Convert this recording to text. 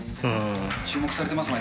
注目されてますもんね。